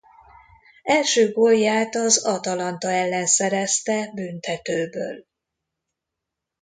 Első gólját az Atalanta ellen szerezte büntetőből.